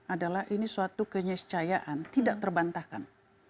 adalah ini suatu kenyascayaan tidak terbantahkan